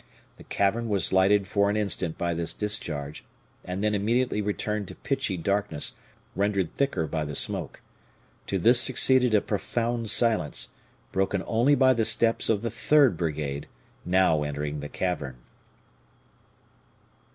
The cavern was lighted for an instant by this discharge, and then immediately returned to pitchy darkness rendered thicker by the smoke. To this succeeded a profound silence, broken only by the steps of the third brigade, now entering the cavern.